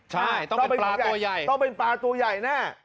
ใช่ต้องเป็นปลาตัวใหญ่ต้องเป็นปลาตัวใหญ่แน่